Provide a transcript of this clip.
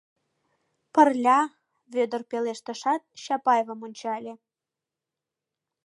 — Пырля, — Вӧдыр пелештышат, Чапаевым ончале.